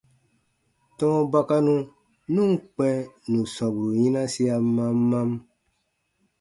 Tɔ̃ɔ bakanu nu ǹ kpɛ̃ nù sɔmburu yinasia mam mam.